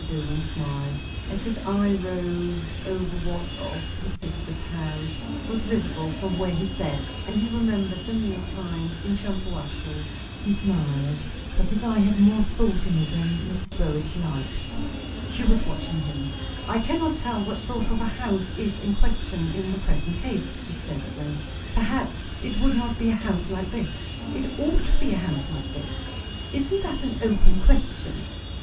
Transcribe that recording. Dillwyn smiled, as his eye roved over what of his sister's house was visible from where he sat, and he remembered the meal times in Shampuashuh; he smiled, but his eye had more thought in it than Mrs. Burrage liked. She was watching him. "I cannot tell what sort of a house is in question in the present case," he said at length. "Perhaps it would not be a house like this." "It ought to be a house like this." "Isn't that an open question?"